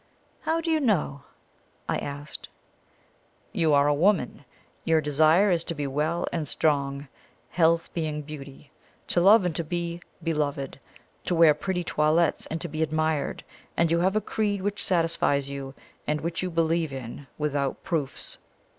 "How do you know?" I asked. "You are a woman your desire is to be well and strong, health being beauty to love and to be beloved to wear pretty toilettes and to be admired; and you have a creed which satisfies you, and which you believe in without proofs."